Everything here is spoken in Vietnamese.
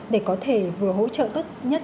để có thể vừa hỗ trợ tốt nhất